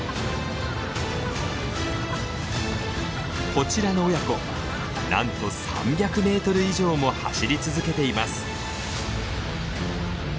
こちらの親子なんと３００メートル以上も走り続けています。